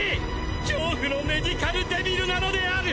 恐怖のメディカルデビルなのである！！